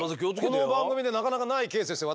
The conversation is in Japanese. この番組でなかなかないケースですよ